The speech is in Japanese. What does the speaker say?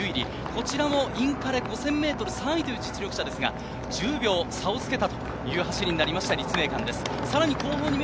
こちらもインカレ５０００ｍ、３位という実力者ですが１０秒、差をつけたという走りです、立命館です。